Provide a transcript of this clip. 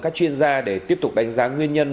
các chuyên gia để tiếp tục đánh giá nguyên nhân